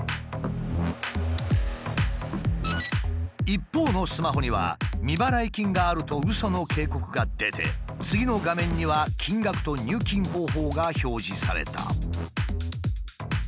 一方のスマホには「未払い金がある」とうその警告が出て次の画面には金額と入金方法が表示された。